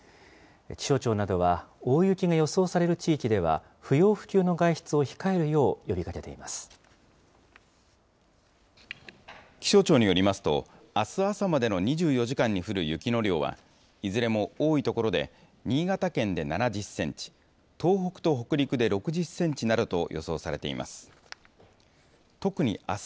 気象庁などは、大雪が予想される地域では不要不急の外出を控えるよう呼びかけて気象庁によりますと、あす朝までの２４時間に降る雪の量は、いずれも多い所で、新潟県で７０センチ、東北と北陸で６０センチなどと予想されています。